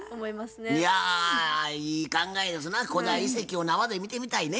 いやいい考えですな古代遺跡を生で見てみたいね。